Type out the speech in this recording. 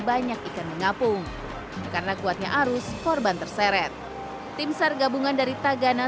banyak ikan mengapung karena kuatnya arus korban terseret tim sar gabungan dari tagana